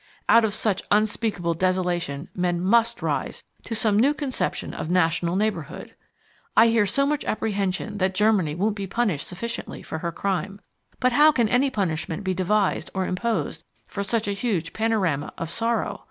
Out of such unspeakable desolation men MUST rise to some new conception of national neighbourhood. I hear so much apprehension that Germany won't be punished sufficiently for her crime. But how can any punishment be devised or imposed for such a huge panorama of sorrow?